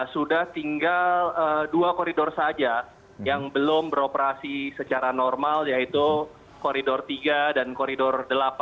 sudah tinggal dua koridor saja yang belum beroperasi secara normal yaitu koridor tiga dan koridor delapan